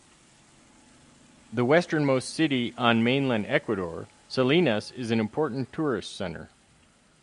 The westernmost city on mainland Ecuador, Salinas is an important tourist center.